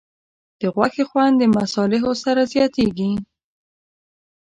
د غوښې خوند د مصالحو سره زیاتېږي.